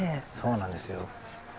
そうなんですよ。